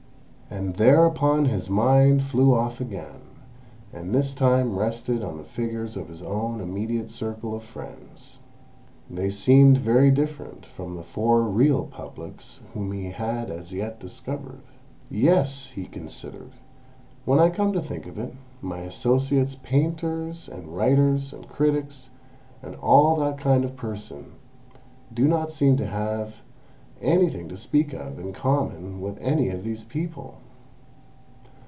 And thereupon his mind flew off again, and this time rested on the figures of his own immediate circle of friends. They seemed very different from the four real Publics whom he had as yet discovered. "Yes," he considered, "when I come to think of it, my associates painters, and writers, and critics, and all that kind of person—do not seem to have anything to speak of in common with any of these people.